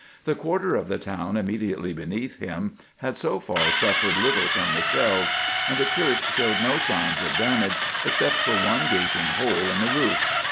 The quarter of the town immediately beneath him had so far suffered little from the shells, and the church showed no signs of damage except for one gaping hole in the roof.